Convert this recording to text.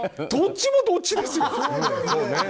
どっちもどっちですよ！